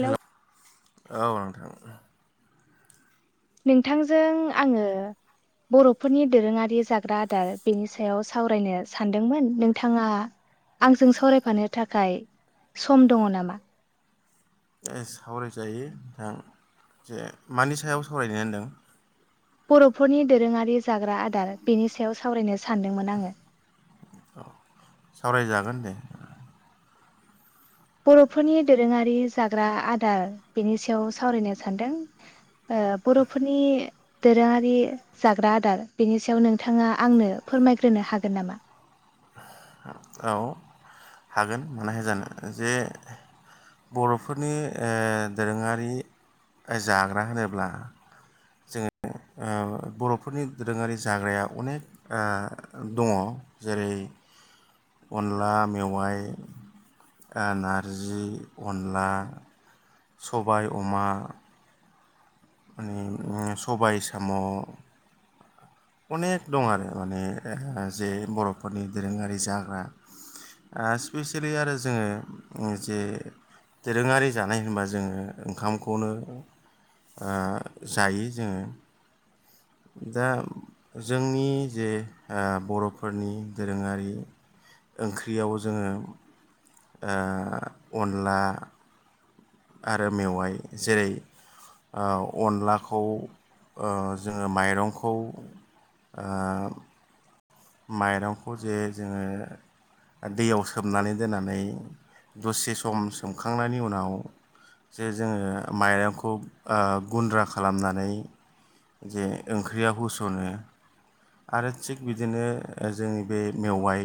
हेल' औ नोंथां नोंथांजों आङो बर'फोरनि दोरोङारि जाग्रा आदार बेनि सायाव सावरायनो सानदोंमोन नोंथाङा आंजों सावरायफानो थाखाय सम दङ नामा सावरायजायो नों जे मानि सायाव सावरायनो होनदों बर'फोरनि दोरोङारि जाग्रा आदार बेनि सायाव सावरायनो स सानदोंमोन आङो अह सावरायजागोन दे बर'फोरनि दोरोङारि जाग्रा आदार बेनि सायाव सावरायनो सान्दों ओ बर'फोरनि दोरोङारि जाग्रा आदार बेनि सायाव नोंथाङा आंनो फोरमायग्रोनो हागोन नामा औ हागोन मानो हाया जानो जे बर'फोरनि ओ दोरोङारि जाग्रा होनोब्ला जोङो ओ बर'फोरनि दोरोङारि जाग्राया अनेक ओ दङ जेरै अनला मेवाय ओ‌ नारजि अनला सबाय अमा ओ सबाय साम' अनेख दं आरो माने जे बर'फोरनि दोरोङारि जाग्रा ओ स्पेसियेलि आरो जोङो जे दोरोङारि जानाय होनबा जोङो ओंखामखौनो ओ जायो जोङो दा जोंनि जे ओ बर'फोरनि दोरोङारि ओंख्रियाव जोङो ओ अनला आरो मेवाय जेरै ओ अनलाखौ ओ जोङो माइरंखौ ओ माइरंखौ जे जोङो दैयाव सोमनानै दोननानै दसे सम सोमखांनायनि उनाव जे जोङो माइरंखौ ओ गुन्द्रा खालामनानै जे ओंख्रियाव होस'नो आरो थिग बिब बिदिनो जोंनि बे मेवाइ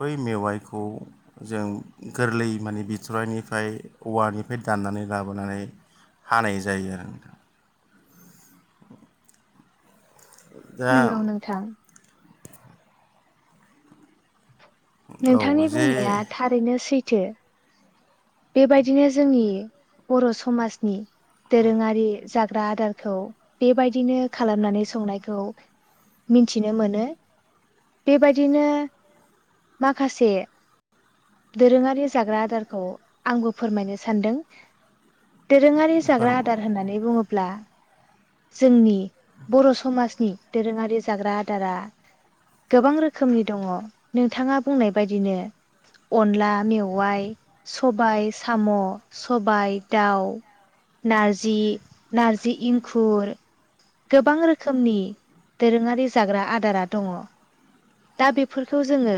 बै मेवाइखौ जों गोरलै माने बिथ'रायनिफाय औवानिफ्राय दाननानै लाबोनानै हानाय जायो आरो दा नोंगौ नोंथां औ नोंथांनि जे बुंनाया थारैनो सैथ थो बेबायदिनो जोंनि बर' समाजनि दोरोङारि जाग्रा आदारखौ बेबायदिनो खालामनानै संनायखौ मिन्थिनो मोनो बेबायदिनो माखासे दोरोङारि जाग्रा आदारखौ आंबो फोरमायनो सानदों दोरोङारि जाग्रा फोर आदार होननानै बुङो ब्ला जोंनि बर' समाजनि दोरोङारि जाग्रा आदारा गोबां रोखोमनि दङ नोंथाङा बुंनाय बायदिनो अनला मेवाइ, सबाय साम', सबाय दाउ, नारजि नार्जि इं खुर गोबां रोखोमनि दोरोङारि जाग्रा आदारा दङ दा बेफोरखौ जोङो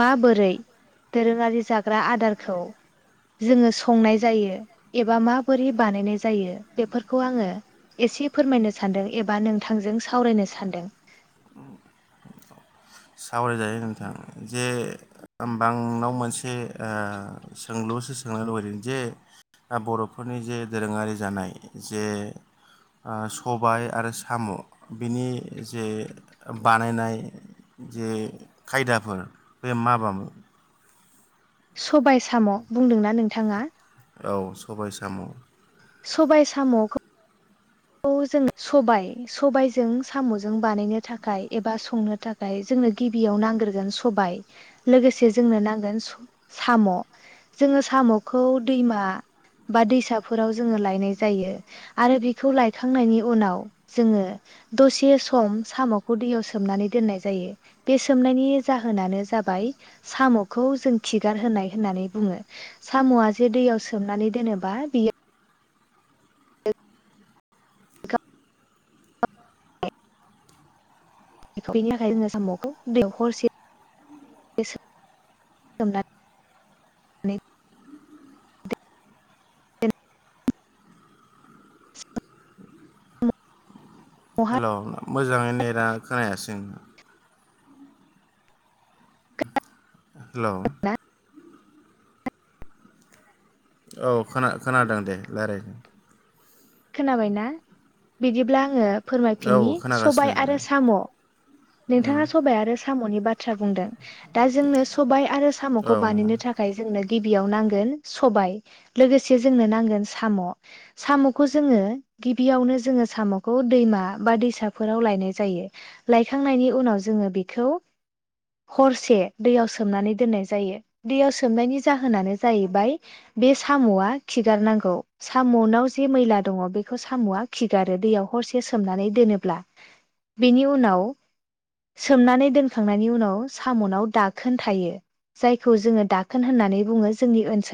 माबोरै दोरोङारि जाग्रा आदारखौ जोङो संनाय जायो एबा माबोरै बानायनाय जायो बेफोरखौ आङो एसे फोरमायनो सानदों एबा नोंथांजों सावरायनो सानदों। सावरायजायो नोंथां जे ओमबाआंनाव मोनसे ओ सोंलुसो सोंनो लुबैदों जे बर'फोरनि जे दोरोङारि जानाय जे ओ सबाय आरो साम' बिनि जे बानायनाय जे खायदाफोर बे माबाम सबाय साम' बुंदोंना नोंथाङा? औ सबाय साम'। सबाय साम'ख खौ जोङो सबाय सबायजों साम'जों बानायनो थाखाय एबा संनो थाखाय जोंनो गिबियाव नांग्रोगोन सबाय लोगोसे जोंनो नांगोन स' साम' जोङो साम'खौ दैमा बा दैसाफोराव जोङो लायनाय जायो आरो बे खौ लायखांनायनि उनाव जोङो दसे सम साम'खौ दैयाव सोमनानै दोननाय जायो बे सोमनायनि जाहोनानो जाबाय साम'खौ जों खिगार होनाय होननानै बुङो साम'आ जे दैयाव सोमनानै दोनोबा बियो बेनि थाखायनो जोङो साम'खौ दैयाव हरसे सो [unintelligible] नै [unintelligible] दैयाव हेल' मोजाङै नेदा खोनायासै हेल' औ खोना खोनादों दे लायराय खोनाबायना बिदिब्ला आङो औ फोरमायफिननि सबाय खोनागासिनो आरो साम' नोंथाङा सबाय आरो साम'नि बाथ्रा बुंदों दा जोंनो सबाय आरो साम'खौ औ नंगौ बानायनो थाखाय जोंनो गिबियाव नांगोन सबाय लोगोसे जोंनो नांगोन साम' साम'खौ जोङो गिबियावनो जोङो साम'खौ दैमा बा दैसाफोराव लायनाय जायो लाय खिखांनायनि उनाव जोङो बेखौ हरसे दैयाव सोमनानै दोननाय जायो दैयाव सोमनायनि जाहोनानो जाहैबाय बे साम'आ खिगारनांगौ साम'नाव जे मैला दङ बेखौ साम'आ खिगारो दैयाव हरसे सोमनानै दोनोब्ला बेनि उनाव सोमनानै दोनखांनायनि उनाव साम'नाव दाखोन थायो जायखौ जोङो दाखोन होननानै बुङो जोंनि ओनसो